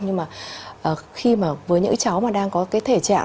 nhưng mà khi mà với những cháu mà đang có cái thể trạng